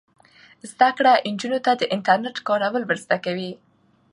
زده کړه نجونو ته د انټرنیټ کارول ور زده کوي.